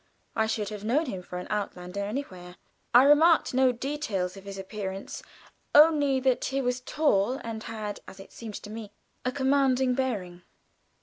I should have known him for an outlander anywhere. I remarked no details of his appearance; only that he was tall and had, as it seemed to me, a commanding bearing.